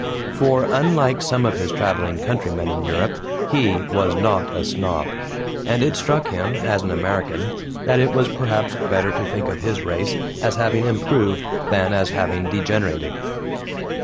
For, unlike some of his traveling countrymen in Europe, he was not a snob, and it struck him as an American that it was, perhaps, better to think of his race as having improved than as having degenerated.